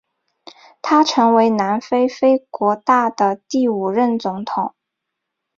他成为南非非国大的第五任总统。